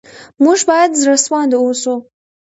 موږ باید زړه سوانده اوسو.